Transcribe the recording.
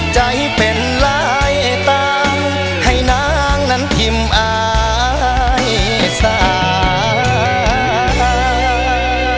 ใจเป็นลายต่างให้นางนั้นพิมพ์อายสาย